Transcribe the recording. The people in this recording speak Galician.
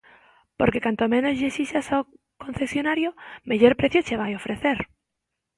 Porque canto menos lle esixas ao concesionario, mellor prezo che vai ofrecer.